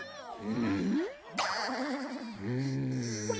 うん。